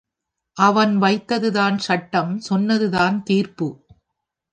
அவன் வைத்ததுதான் சட்டம் சொன்னதுதான் தீர்ப்பு.